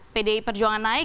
pdi perjuangan naik